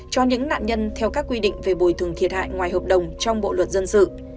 cho những nạn nhân theo các quy định về bồi thường thiệt hại ngoài hợp đồng trong bộ luật dân sự